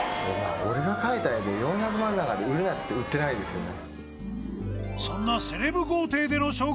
俺が描いた絵で４００万なんかで売るなっていって売ってないですけどね